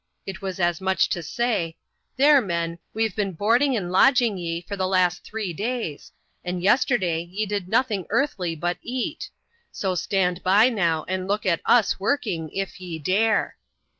It was as much as to say, " There, men, we've been boarding and lodg ing ye for the last three days ; and yesterday ye did nothing earthly but eat ; so stand by now, and look at us working, if ye dare."